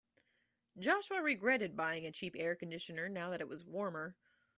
Joshua regretted buying a cheap air conditioner now that it was warmer.